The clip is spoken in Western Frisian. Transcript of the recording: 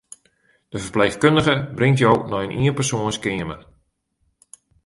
De ferpleechkundige bringt jo nei in ienpersoanskeamer.